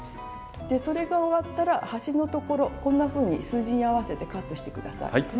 それが終わったら端のところこんなふうに数字に合わせてカットして下さい。